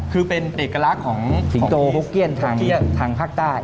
คือเป็นเอกลักษณ์ของสิงโตฮุกเกี้ยนทางภาคใต้